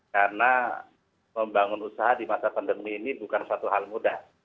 karena membangun usaha di masa pandemi ini bukan suatu hal mudah